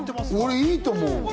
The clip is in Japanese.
俺、いいと思う。